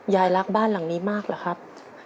ยายรักบ้านหลังนี้มากเหรอครับ